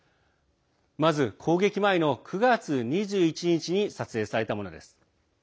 まず攻撃前の９月２１日に撮影されたものです。